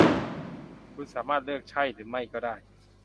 คุณสามารถเลือกใช่หรือไม่ก็ได้